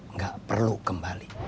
nggak perlu kembali